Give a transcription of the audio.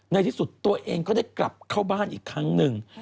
ในที่สุดตัวเองก็ได้กลับเข้าบ้านอีกครั้งหนึ่ง